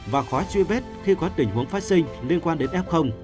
và khó truy vết khi có tình huống phát sinh liên quan đến f